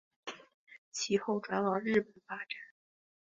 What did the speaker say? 其后转往日本发展。